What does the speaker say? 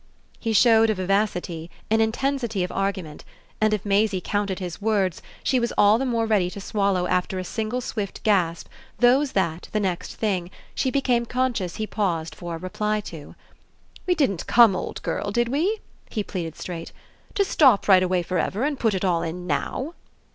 He showed a vivacity, an intensity of argument, and if Maisie counted his words she was all the more ready to swallow after a single swift gasp those that, the next thing, she became conscious he paused for a reply to. "We didn't come, old girl, did we," he pleaded straight, "to stop right away for ever and put it all in NOW?"